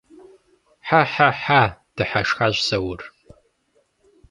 Хьэ-хьэ-хьа! - дыхьэшхащ Заур.